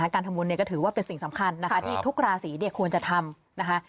การทำบุญก็ถือว่าเป็นสิ่งสำคัญนะคะที่ทุกราศีควรจะทำนะคะ